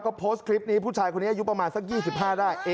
ก็โพสต์คลิปนี้ผู้ชายคนนี้อายุประมาณสัก๒๕ได้